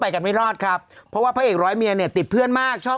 นะครับผมสั่งที่ห้ามไม่ให้มีแฟนนะครับ